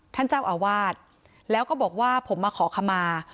ท่านเจ้าอาวาสแล้วก็บอกว่าผมมาขอขมา